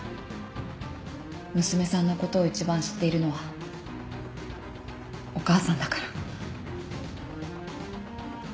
娘さんのことを一番知っているのはお母さんだから。